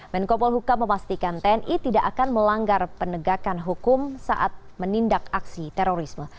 menko polhukam memastikan tni tidak akan melanggar penegakan hukum saat menindak aksi terorisme